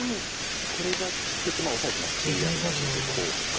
これが利くとオサえるとまた切りがありますのでこうとか。